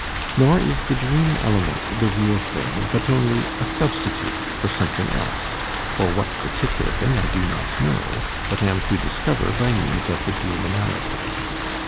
Nor is the dream element the real thing, but only a substitute for something else, for what particular thing I do not know, but am to discover by means of the dream analysis.